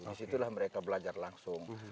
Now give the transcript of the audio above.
di situlah mereka belajar langsung